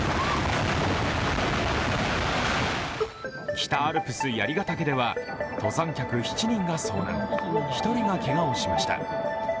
北アルプス槍ヶ岳では、登山客７人が遭難、１人がけがをしました。